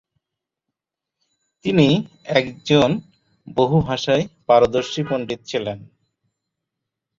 তিনি একজন বহুভাষায় পারদর্শী পণ্ডিত ছিলেন।